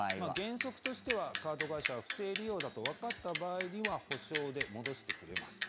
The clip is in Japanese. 原則としてはカード会社は不正利用だとわかった場合には補償で戻してくれます。